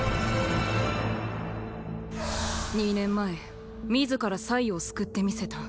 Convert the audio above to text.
二年前自らを救ってみせた